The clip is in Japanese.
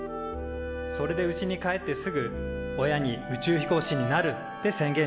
それでうちに帰ってすぐ親に「宇宙飛行士になる」って宣言しました。